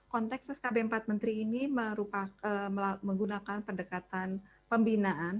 konteks skb empat menteri ini menggunakan pendekatan pembinaan